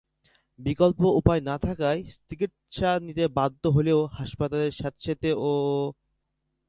বিকল্প উপায় না থাকায় চিকিৎসা নিতে বাধ্য হলেও হাসপাতালের স্যাঁতসেঁতে ও...